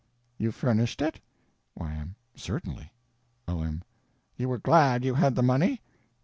You furnished it? Y.M. Certainly. O.M. You were glad you had the money?